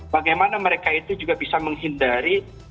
bagaimana mereka itu juga bisa menghindari